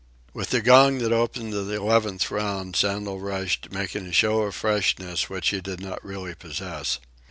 With the gong that opened the eleventh round, Sandel rushed, making a show of freshness which he did not really possess.